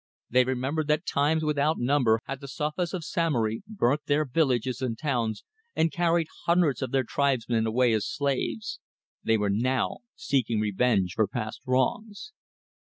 They remembered that times without number had the Sofas of Samory burnt their villages and towns, and carried hundreds of their tribesmen away as slaves; they were now seeking revenge for past wrongs.